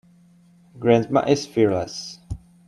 Grandma is fearless.